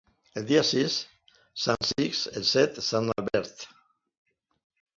El dia sis, sant Sixt; el set, sant Albert.